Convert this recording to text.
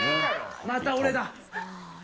また俺だ。